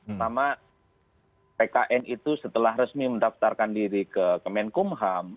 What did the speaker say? pertama tkn itu setelah resmi mendaftarkan diri ke kemenkumham